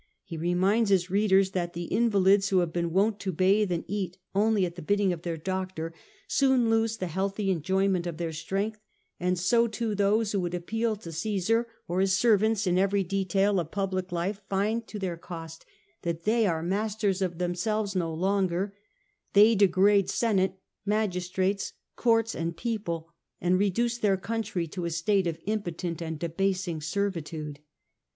He reminds his readers that the invalids who have been wont to bathe and eat only at the bidding of their doctor, soon lose the healthy enjoyment of their strength ; and so too those who would appeal to Caesar or his servants in every detail of public life, find to their cost that they are masters of themselves no longer ; they degrade senate, magistrates, courts, and people, and reduce their country to a state of impotent and debasing servitude.